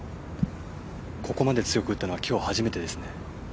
ここまで強く打ったのはきょう初めてですね。